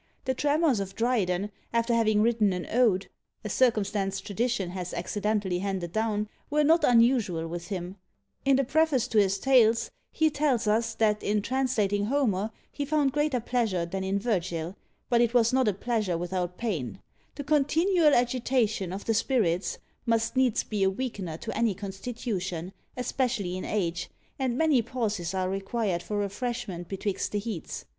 The tremors of Dryden, after having written an Ode, a circumstance tradition has accidentally handed down, were not unusual with him; in the preface to his Tales he tells us, that in translating Homer he found greater pleasure than in Virgil; but it was not a pleasure without pain; the continual agitation of the spirits must needs be a weakener to any constitution, especially in age, and many pauses are required for refreshment betwixt the heats.